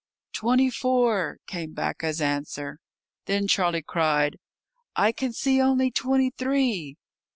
"Twenty four," came back as answer. Then Charlie cried, "I can see only twenty three."